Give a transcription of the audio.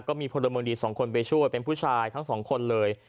พลเมืองดีสองคนไปช่วยเป็นผู้ชายทั้งสองคนเลย